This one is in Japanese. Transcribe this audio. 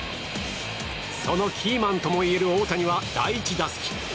そのキーマンともいえる大谷は第１打席。